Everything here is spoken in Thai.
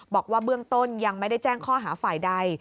บอกว่าเบื้องต้นยังไม่ได้แจ้งข้อหาฝ่ายใด